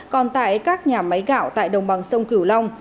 còn tại các nhà máy gạo tại đồng bằng sông cửu long